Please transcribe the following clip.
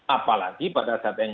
apalagi pada saat yang